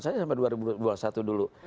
saya sampai dua ribu dua puluh satu dulu